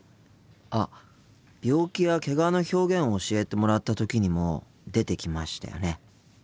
あっ病気やけがの表現を教えてもらった時にも出てきましたよね？